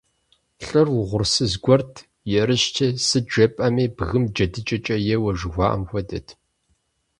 ЛӀыр угъурсыз гуэрт, ерыщти, сыт жепӀэми, бгым джэдыкӀэкӀэ еуэ, жухуаӏэм хуэдэт.